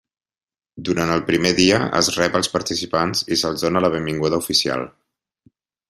Durant el primer dia es rep als participants i se'ls dóna la benvinguda oficial.